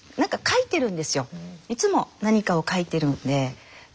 いつも何かを書いてるので。